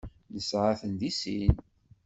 Nesɛa-ten deg sin.